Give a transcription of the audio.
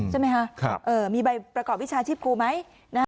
ใช่มั้ยครับมีใบประกอบวิชาชีพกูไหม